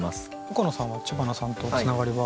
岡野さんは知花さんとつながりはありますか？